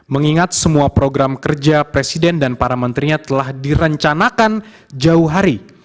mengingat semua program kerja presiden dan para menterinya telah direncanakan jauh hari